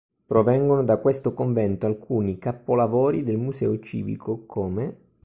Provengono da questo convento alcuni capolavori del Museo civico, come